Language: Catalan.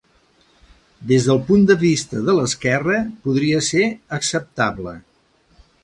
Des del punt de vista de l'esquerra, podria ser acceptable.